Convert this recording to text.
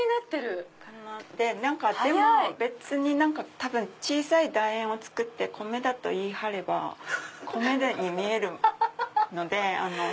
多分小さい楕円を作って米だと言い張れば米に見えるので。